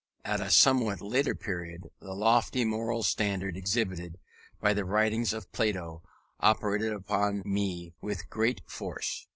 At a somewhat later period the lofty moral standard exhibited in the writings of Plato operated upon me with great force.